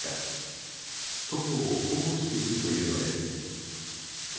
祖母を保護しているというのです。